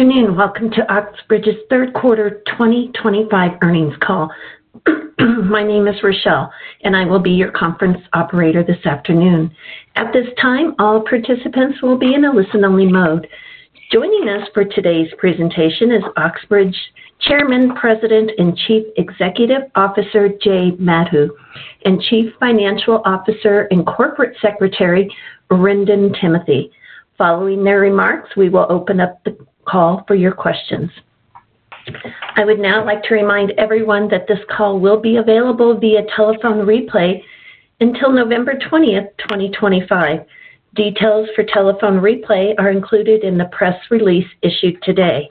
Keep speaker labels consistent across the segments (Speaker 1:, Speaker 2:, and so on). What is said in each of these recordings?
Speaker 1: Afternoon. Welcome to Oxbridge's third quarter 2025 earnings call. My name is Rochelle, and I will be your conference operator this afternoon. At this time, all participants will be in a listen-only mode. Joining us for today's presentation is Oxbridge Chairman, President, and Chief Executive Officer Jay Madhu, and Chief Financial Officer and Corporate Secretary Wrendon Timothy. Following their remarks, we will open up the call for your questions. I would now like to remind everyone that this call will be available via telephone replay until November 20th, 2025. Details for telephone replay are included in the press release issued today.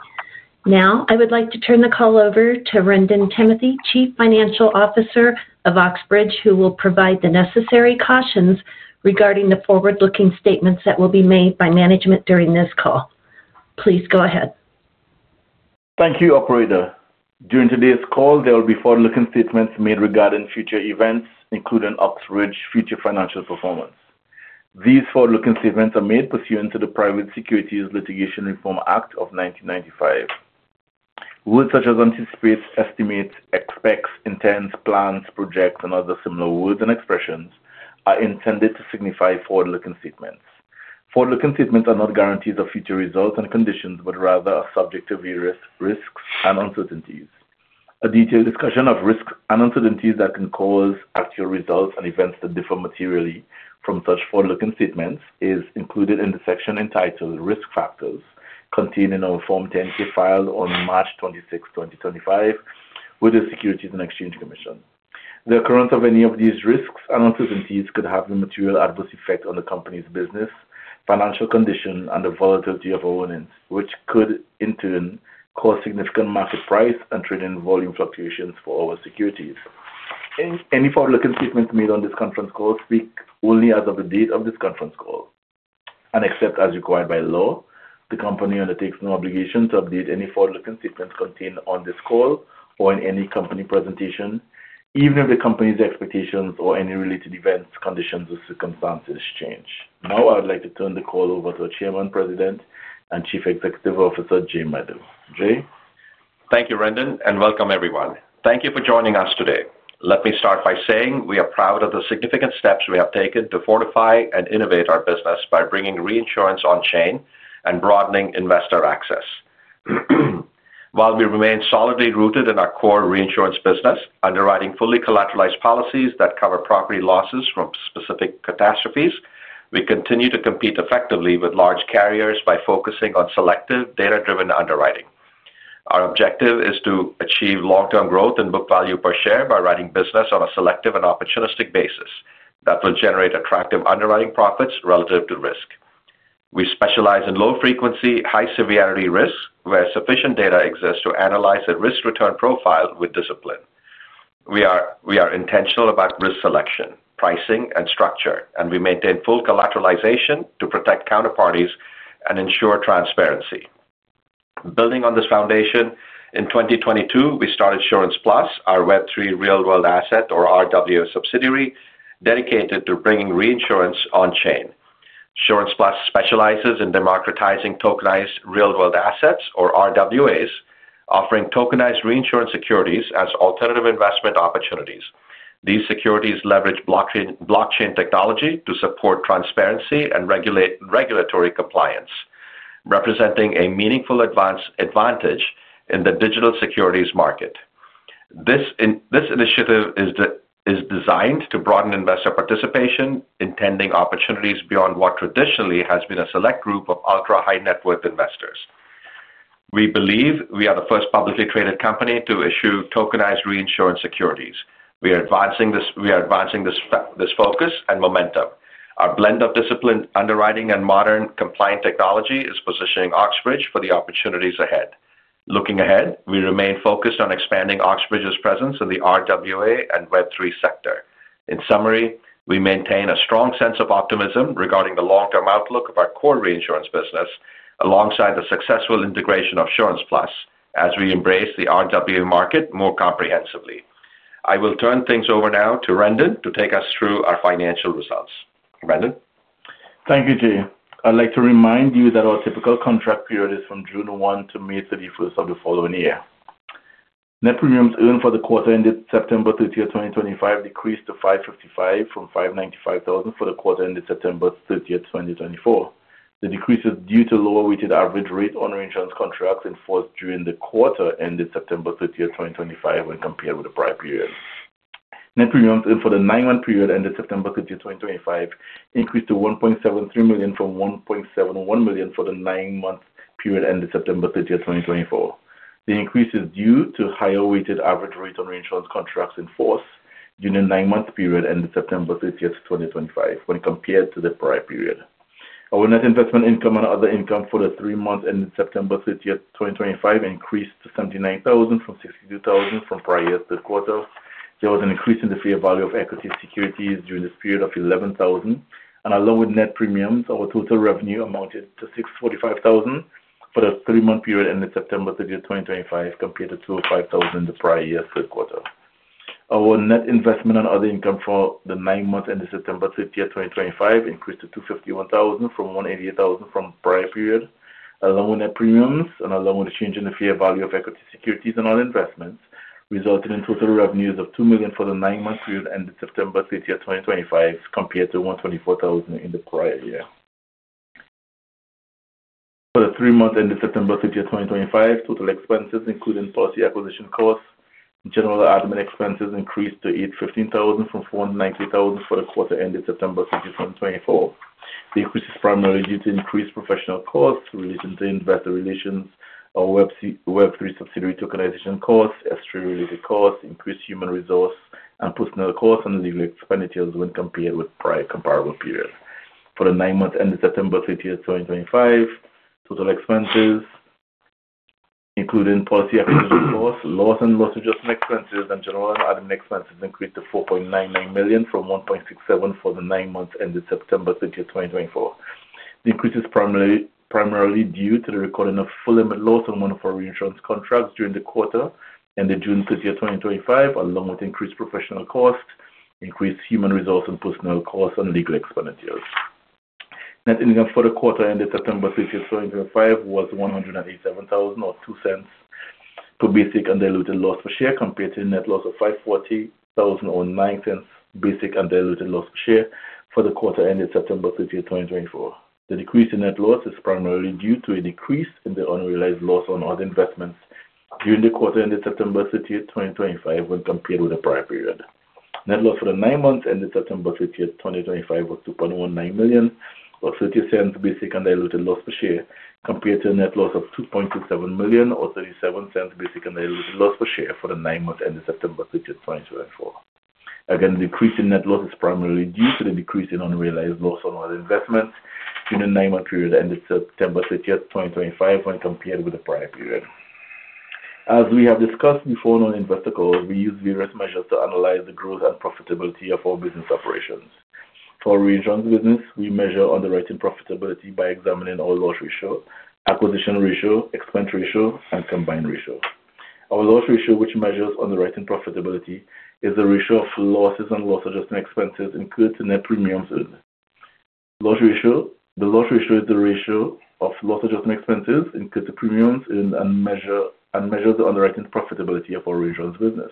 Speaker 1: Now, I would like to turn the call over to Wrendon Timothy, Chief Financial Officer of Oxbridge, who will provide the necessary cautions regarding the forward-looking statements that will be made by management during this call. Please go ahead.
Speaker 2: Thank you, Operator. During today's call, there will be forward-looking statements made regarding future events, including Oxbridge's future financial performance. These forward-looking statements are made pursuant to the Private Securities Litigation Reform Act of 1995. Words such as anticipates, estimates, expects, intends, plans, projects, and other similar words and expressions are intended to signify forward-looking statements. Forward-looking statements are not guarantees of future results and conditions, but rather are subject to various risks and uncertainties. A detailed discussion of risks and uncertainties that can cause actual results and events that differ materially from such forward-looking statements is included in the section entitled Risk Factors, contained in a Form 10-K filed on March 26th, 2025, with the Securities and Exchange Commission. The occurrence of any of these risks and uncertainties could have a material adverse effect on the company's business, financial condition, and the volatility of earnings, which could, in turn, cause significant market price and trading volume fluctuations for our securities. Any forward-looking statements made on this conference call speak only as of the date of this conference call. Except as required by law, the company undertakes no obligation to update any forward-looking statements contained on this call or in any company presentation, even if the company's expectations or any related events, conditions, or circumstances change. Now, I would like to turn the call over to Chairman, President, and Chief Executive Officer Jay Madhu. Jay?
Speaker 3: Thank you, Wrendon, and welcome, everyone. Thank you for joining us today. Let me start by saying we are proud of the significant steps we have taken to fortify and innovate our business by bringing reinsurance on-chain and broadening investor access. While we remain solidly rooted in our core reinsurance business, underwriting fully collateralized policies that cover property losses from specific catastrophes, we continue to compete effectively with large carriers by focusing on selective, data-driven underwriting. Our objective is to achieve long-term growth and book value per share by writing business on a selective and opportunistic basis that will generate attractive underwriting profits relative to risk. We specialize in low-frequency, high-severity risks where sufficient data exists to analyze a risk-return profile with discipline. We are intentional about risk selection, pricing, and structure, and we maintain full collateralization to protect counterparties and ensure transparency. Building on this foundation, in 2022, we started AssurancePlus, our Web3 real-world asset, or RWA, subsidiary dedicated to bringing reinsurance on-chain. AssurancePlus specializes in democratizing tokenized real-world assets, or RWAs, offering tokenized reinsurance securities as alternative investment opportunities. These securities leverage blockchain technology to support transparency and regulatory compliance, representing a meaningful advantage in the digital securities market. This initiative is designed to broaden investor participation, intending opportunities beyond what traditionally has been a select group of ultra-high-net-worth investors. We believe we are the first publicly traded company to issue tokenized reinsurance securities. We are advancing this focus and momentum. Our blend of disciplined underwriting and modern, compliant technology is positioning Oxbridge for the opportunities ahead. Looking ahead, we remain focused on expanding Oxbridge's presence in the RWA and Web3 sector. In summary, we maintain a strong sense of optimism regarding the long-term outlook of our core reinsurance business alongside the successful integration of AssurancePlus as we embrace the RWA market more comprehensively. I will turn things over now to Wrendon to take us through our financial results. Rendon?
Speaker 2: Thank you, Jay. I'd like to remind you that our typical contract period is from June 1 to May 31 of the following year. Net premiums earned for the quarter ended September 30, 2025, decreased to $555,000 from $595,000 for the quarter ended September 30, 2024. The decrease is due to lower-weighted average rate on reinsurance contracts in force during the quarter ended September 30, 2025, when compared with the prior period. Net premiums earned for the nine-month period ended September 30, 2025, increased to $1.73 million from $1.71 million for the nine-month period ended September 30, 2024. The increase is due to higher-weighted average rate on reinsurance contracts in force during the nine-month period ended September 30, 2025, when compared to the prior period. Our net investment income and other income for the three months ended September 30, 2025, increased to $79,000 from $62,000 from prior to the quarter. There was an increase in the fair value of equity securities during this period of $11,000. Along with net premiums, our total revenue amounted to $645,000 for the three-month period ended September 30, 2025, compared to $205,000 in the prior year's third quarter. Our net investment and other income for the nine months ended September 30, 2025, increased to $251,000 from $188,000 from the prior period. Along with net premiums and along with the change in the fair value of equity securities and other investments, resulted in total revenues of $2 million for the nine-month period ended September 30, 2025, compared to $124,000 in the prior year. For the three months ended September 30, 2025, total expenses, including policy acquisition costs and general admin expenses, increased to $815,000 from $490,000 for the quarter ended September 30, 2024. The increase is primarily due to increased professional costs related to investor relations, our Web3 subsidiary tokenization costs, S-3-related costs, increased human resource and personnel costs, and legal expenditures when compared with prior comparable period. For the nine months ended September 30, 2025, total expenses, including policy acquisition costs, loss and loss adjustment expenses, and general admin expenses, increased to $4.99 million from $1.67 million for the nine months ended September 30, 2024. The increase is primarily due to the recording of full-limit loss on one of our reinsurance contracts during the quarter ended June 30, 2025, along with increased professional costs, increased human resource and personnel costs, and legal expenditures. Net income for the quarter ended September 30th, 2025, was $187,000 or $0.02 per basic and diluted loss per share, compared to a net loss of $540,000 or $0.09 basic and diluted loss per share for the quarter ended September 30th, 2024. The decrease in net loss is primarily due to a decrease in the unrealized loss on other investments during the quarter ended September 30th, 2025, when compared with the prior period. Net loss for the nine months ended September 30th, 2025, was $2.19 million or $0.30 basic and diluted loss per share, compared to a net loss of $2.27 million or $0.37 basic and diluted loss per share for the nine months ended September 30th, 2024. Again, the decrease in net loss is primarily due to the decrease in unrealized loss on other investments during the nine-month period ended September 30, 2025, when compared with the prior period. As we have discussed before on investor calls, we use various measures to analyze the growth and profitability of our business operations. For our reinsurance business, we measure underwriting profitability by examining our loss ratio, acquisition ratio, expense ratio, and combined ratio. Our loss ratio, which measures underwriting profitability, is the ratio of losses and loss adjustment expenses incurred to net premiums earned. The loss ratio is the ratio of loss adjustment expenses incurred to premiums earned and measures the underwriting profitability of our reinsurance business.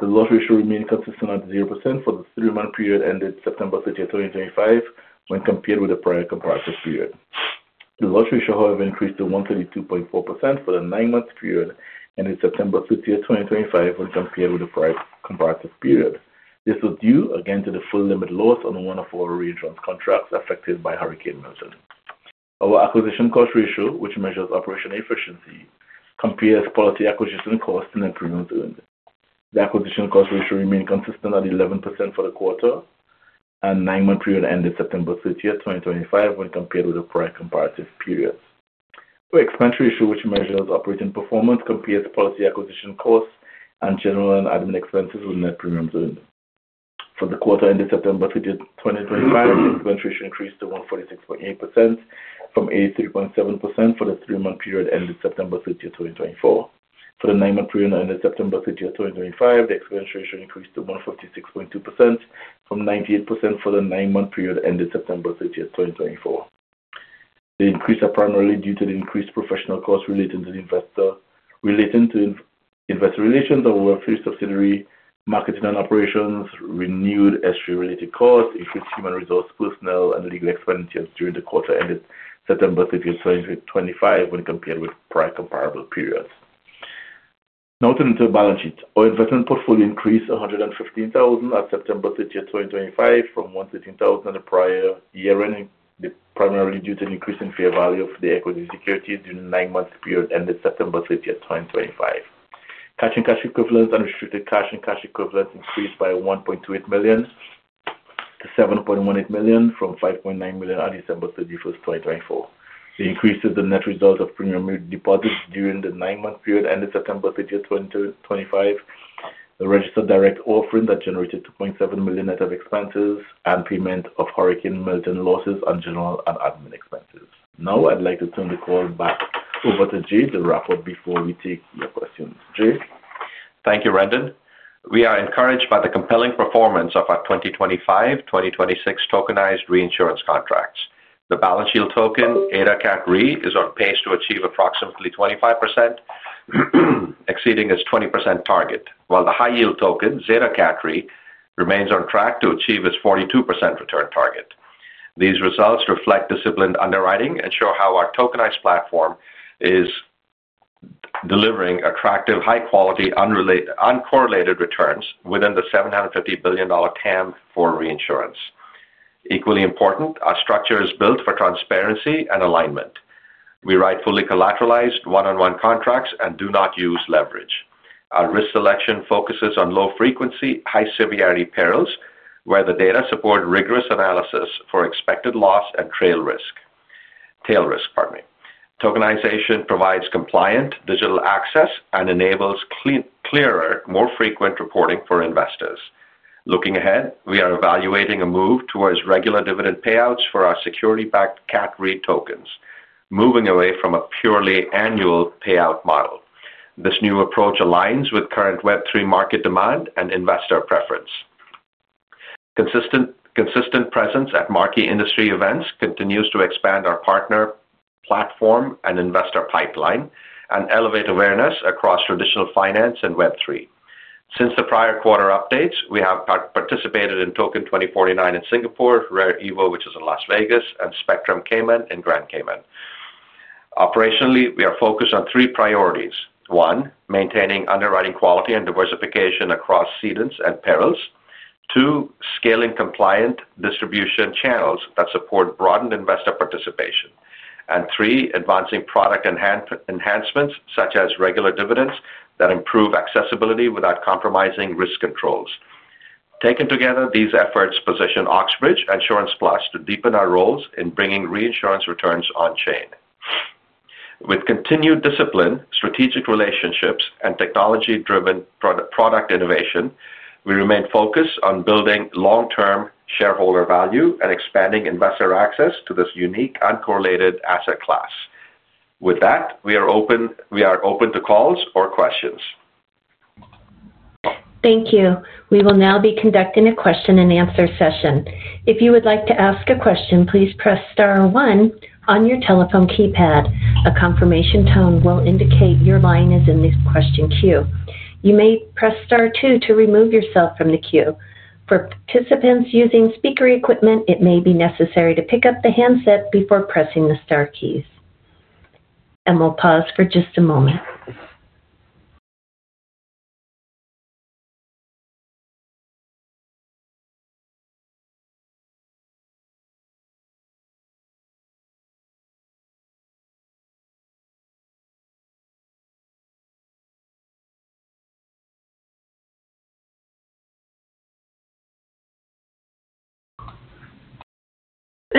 Speaker 2: The loss ratio remained consistent at 0% for the three-month period ended September 30, 2025, when compared with the prior comparative period. The loss ratio, however, increased to 132.4% for the nine-month period ended September 30, 2025, when compared with the prior comparative period. This was due, again, to the full-limit loss on one of our reinsurance contracts affected by Hurricane Milton. Our acquisition cost ratio, which measures operational efficiency, compares policy acquisition costs to net premiums earned. The acquisition cost ratio remained consistent at 11% for the quarter and nine-month period ended September 30, 2025, when compared with the prior comparative period. Our expense ratio, which measures operating performance, compares policy acquisition costs and general and admin expenses with net premiums earned. For the quarter ended September 30, 2025, the expense ratio increased to 146.8% from 83.7% for the three-month period ended September 30, 2024. For the nine-month period ended September 30, 2025, the expense ratio increased to 156.2% from 98% for the nine-month period ended September 30, 2024. The increase is primarily due to the increased professional costs related to investor relations of our Web3 subsidiary marketing and operations, renewed S-3-related costs, increased human resource, personnel, and legal expenditures during the quarter ended September 30, 2025, when compared with prior comparable periods. Now, to the balance sheet. Our investment portfolio increased to $115,000 at September 30, 2025, from $113,000 at the prior year-end, primarily due to an increase in fair value of the equity securities during the nine-month period ended September 30, 2025. Cash and cash equivalents and restricted cash and cash equivalents increased by $1.28 million to $7.18 million from $5.9 million at December 31, 2024. The increase is the net result of premium deposits during the nine-month period ended September 30, 2025, registered direct offering that generated $2.7 million net of expenses, and payment of Hurricane Milton losses and general and admin expenses. Now, I'd like to turn the call back over to Jay to wrap up before we take your questions. Jay?
Speaker 3: Thank you, Wrendon. We are encouraged by the compelling performance of our 2025-2026 tokenized reinsurance contracts. The balance sheet token, EDA CAC-RE, is on pace to achieve approximately 25%, exceeding its 20% target, while the high-yield token, ZETA CAC-RE, remains on track to achieve its 42% return target. These results reflect disciplined underwriting and show how our tokenized platform is delivering attractive, high-quality, uncorrelated returns within the $750 billion TAM for reinsurance. Equally important, our structure is built for transparency and alignment. We write fully collateralized one-on-one contracts and do not use leverage. Our risk selection focuses on low-frequency, high-severity perils where the data support rigorous analysis for expected loss and tail risk. Tokenization provides compliant digital access and enables clearer, more frequent reporting for investors. Looking ahead, we are evaluating a move towards regular dividend payouts for our security-backed CAC-RE tokens, moving away from a purely annual payout model. This new approach aligns with current Web3 market demand and investor preference. Consistent presence at marquee industry events continues to expand our partner platform and investor pipeline and elevate awareness across traditional finance and Web3. Since the prior quarter updates, we have participated in Token 2049 in Singapore, Rare Evo, which is in Las Vegas, and Spectrum Cayman in Grand Cayman. Operationally, we are focused on three priorities: one, maintaining underwriting quality and diversification across seedings and perils; two, scaling compliant distribution channels that support broadened investor participation; and three, advancing product enhancements such as regular dividends that improve accessibility without compromising risk controls. Taken together, these efforts position Oxbridge and AssurancePlus to deepen our roles in bringing reinsurance returns on-chain. With continued discipline, strategic relationships, and technology-driven product innovation, we remain focused on building long-term shareholder value and expanding investor access to this unique uncorrelated asset class. With that, we are open to calls or questions.
Speaker 1: Thank you. We will now be conducting a question-and-answer session. If you would like to ask a question, please press star one on your telephone keypad. A confirmation tone will indicate your line is in the question queue. You may press star two to remove yourself from the queue. For participants using speaker equipment, it may be necessary to pick up the handset before pressing the star keys. We will pause for just a moment.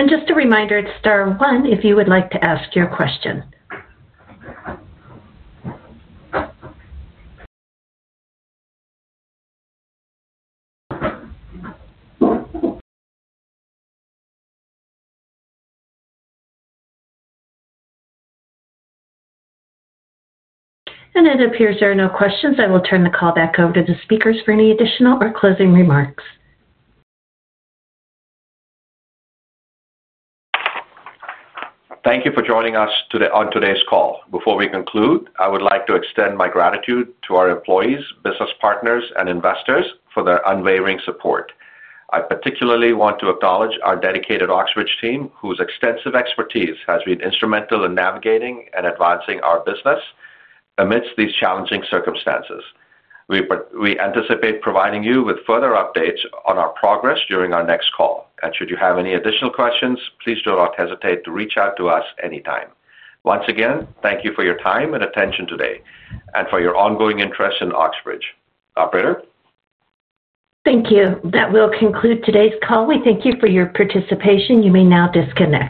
Speaker 1: Just a reminder, it is star one if you would like to ask your question. It appears there are no questions. I will turn the call back over to the speakers for any additional or closing remarks.
Speaker 3: Thank you for joining us on today's call. Before we conclude, I would like to extend my gratitude to our employees, business partners, and investors for their unwavering support. I particularly want to acknowledge our dedicated Oxbridge team, whose extensive expertise has been instrumental in navigating and advancing our business amidst these challenging circumstances. We anticipate providing you with further updates on our progress during our next call. Should you have any additional questions, please do not hesitate to reach out to us anytime. Once again, thank you for your time and attention today and for your ongoing interest in Oxbridge. Operator?
Speaker 1: Thank you. That will conclude today's call. We thank you for your participation. You may now disconnect.